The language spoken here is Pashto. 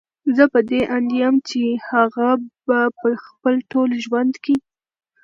زه په دې اند يم چې هغه به په خپل ټول ژوند کې